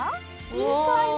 いい感じ。